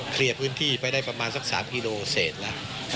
เคลียร์พื้นที่ไปได้ประมาณสัก๓กิโลเสร็จแล้ว